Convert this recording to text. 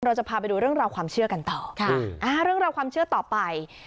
เราจะพาไปดูเรื่องราวความเชื่อกันต่อเรื่องราวความเชื่อต่อไป